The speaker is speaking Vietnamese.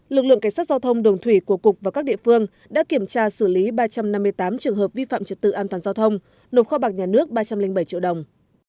lực lượng cảnh sát giao thông đường thủy của cục và các địa phương đã kiểm tra xử lý ba trăm năm mươi tám trường hợp vi phạm trật tự an toàn giao thông nộp kho bạc nhà nước ba trăm linh bảy triệu đồng